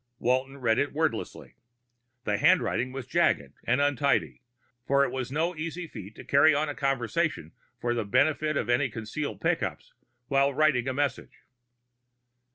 Walton read it wordlessly. The handwriting was jagged and untidy, for it was no easy feat to carry on a conversation for the benefit of any concealed pickups while writing a message.